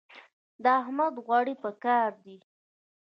د احمد غوړي په کار دي.